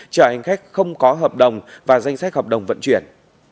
chở hành khách không có hợp đồng và danh sách hợp đồng vận chuyển